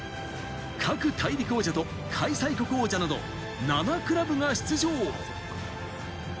各大陸王者と開催国王者など、７クラブが出場。